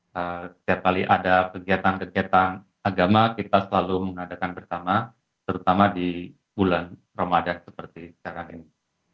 setiap kali ada kegiatan kegiatan agama kita selalu mengadakan bersama terutama di bulan ramadan seperti sekarang ini